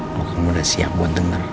kalo kamu udah siap buat denger